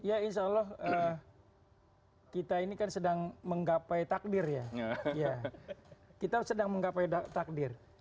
ya insya allah kita ini kan sedang menggapai takdir ya kita sedang menggapai takdir